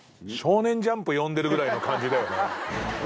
『少年ジャンプ』読んでるぐらいの感じだよね。